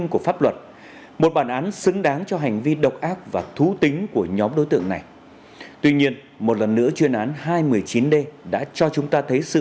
của lực lượng công an